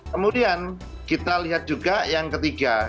kemudian kita lihat juga yang ketiga